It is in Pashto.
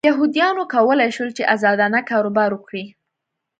یهودیانو کولای شول چې ازادانه کاروبار وکړي.